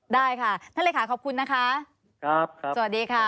ได้ค่ะท่านเลขาขอบคุณนะคะครับสวัสดีค่ะ